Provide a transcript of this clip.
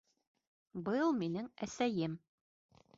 Был минең әсәйем